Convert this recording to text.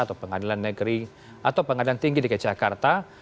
atau pengadilan negeri atau pengadilan tinggi dki jakarta